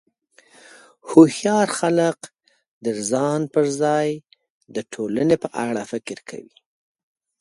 هوښیار خلک د ځان پر ځای د ټولنې په اړه فکر کوي.